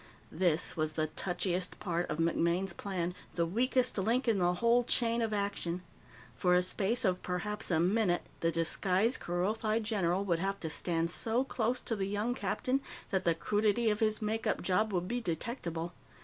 This was the touchiest part of MacMaine's plan, the weakest link in the whole chain of action. For a space of perhaps a minute, the disguised Kerothi general would have to stand so close to the young captain that the crudity of his makeup job would be detectable.